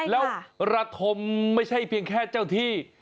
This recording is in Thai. แล้วระทมไม่ใช่เพียงแค่เจ้าที่